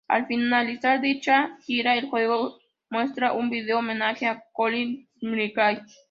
Al finalizar dicha gira, el juego muestra un video-homenaje a Colin McRae.